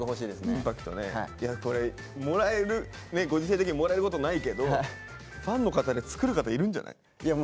いやこれもらえるご時世的にもらえることないけどファンの方で作る方いるんじゃない？